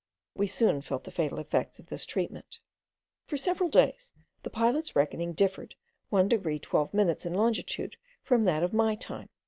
We soon felt the fatal effects of this treatment. For several days the pilot's reckoning differed 1 degree 12 minutes in longitude from that of my time.